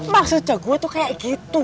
maksudnya gue tuh kayak gitu